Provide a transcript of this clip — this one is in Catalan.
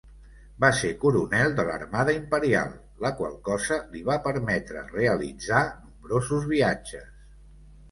Va ser coronel de l'Armada Imperial, la qual cosa li va permetre realitzar nombrosos viatges.